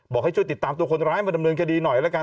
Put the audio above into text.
ให้ช่วยติดตามตัวคนร้ายมาดำเนินคดีหน่อยละกัน